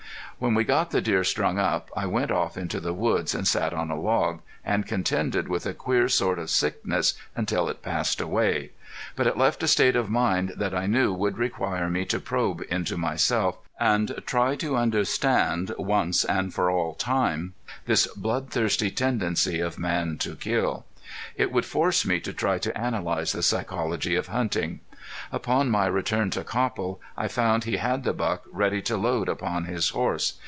When we got the deer strung up I went off into the woods, and sat on a log, and contended with a queer sort of sickness until it passed away. But it left a state of mind that I knew would require me to probe into myself, and try to understand once and for all time this bloodthirsy tendency of man to kill. It would force me to try to analyze the psychology of hunting. Upon my return to Copple I found he had the buck ready to load upon his horse.